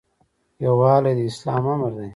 یووالی د اسلام امر دی